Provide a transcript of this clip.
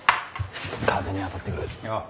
風に当たってくる。